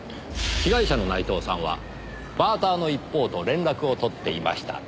被害者の内藤さんはバーターの一方と連絡を取っていました。